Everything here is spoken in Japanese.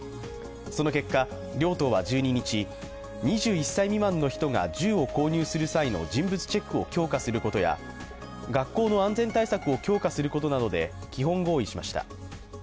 その結果、両党は１２日、２１歳未満の人が銃を購入する際の人物チェックを強化することや学校の安全対策を強化することなどで基本合意しました。